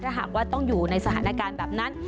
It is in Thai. ถ้าหากว่าต้องอยู่ในสถานการณ์แบบนั้น